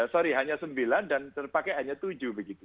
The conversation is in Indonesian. sorry hanya sembilan dan terpakai hanya tujuh begitu